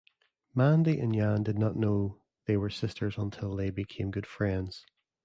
Mandy and Yan did not know they were sisters until they became good friends.